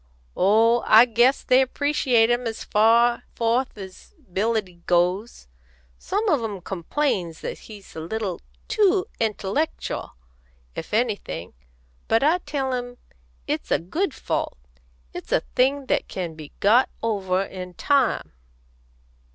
"Oh, I guess they appreciate him as far forth as ability goes. Some on 'em complains that he's a little too intellectial, if anything. But I tell 'em it's a good fault; it's a thing that can be got over in time."